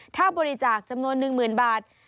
ถ้าบริจาคจำนวน๑๐๐๐บาท